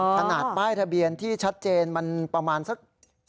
ขนาดป้ายทะเบียนที่ชัดเจนมันประมาณสัก